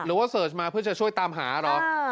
หรือว่าเสิร์ชมาเพื่อจะช่วยตามหาเหรอ